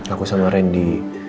aku sama randy